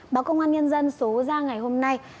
báo công an nhân dân số ra ngày hôm nay